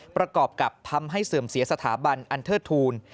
ประกอบกับทำให้เสื่อมเสียสถาบันอันเทิดทูล